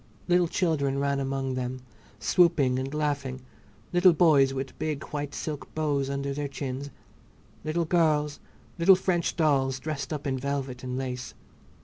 Little children ran among them, swooping and laughing; little boys with big white silk bows under their chins, little girls, little French dolls, dressed up in velvet and lace.